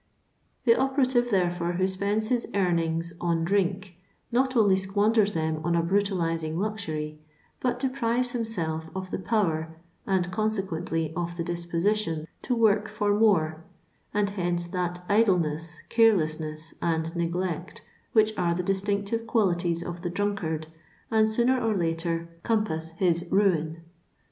The operative, therefore, who spends his earnings on^ drink," not only squanders them on a brutalising luxury, but deprives himself of the power, and conse quently of the disposition, to work for more, and hence that idleness, carelessness, and neglect which are the distinctive qualities of the drunkard, and sooner or later compass his ruin.